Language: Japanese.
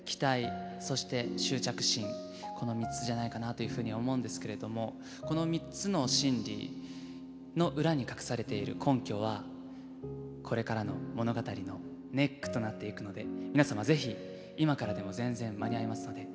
この３つじゃないかなというふうに思うんですけれどもこの３つの心理の裏に隠されている根拠はこれからの物語のネックとなっていくので皆様是非今からでも全然間に合いますので見て下さい。